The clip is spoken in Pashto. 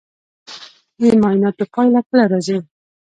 د معایناتو پایله کله راځي؟